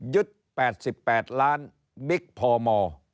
ยึด๘๘ล้านบิ๊กพม